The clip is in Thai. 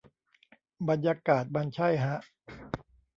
บรรยากาศมันใช่ฮะ